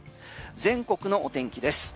全国のお天気です。